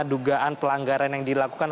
dugaan pelanggaran yang dilakukan